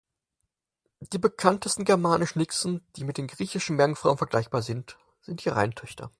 Die bekanntesten germanischen Nixen, mit den griechischen Meerjungfrauen vergleichbar, sind die Rheintöchter.